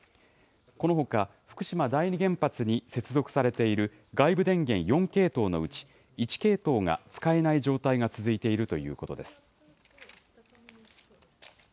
このほか、福島第二原発に接続されている外部電源４系統のうち１系統が使えない状態が続いているということです。